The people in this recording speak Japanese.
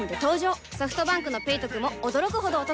ソフトバンクの「ペイトク」も驚くほどおトク